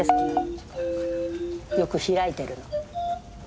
よく開いてるの。